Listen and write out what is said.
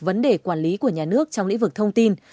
vấn đề quản lý của nhà nước trong lĩnh vực thông tin